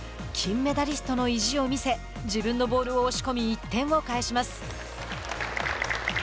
金メダリストの意地を見せ自分のボールを押し込み１点を返します。